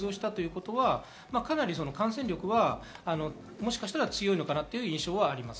かなり感染力はもしかしたら強いのかなという印象はあります。